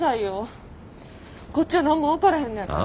こっちは何も分からへんのやから。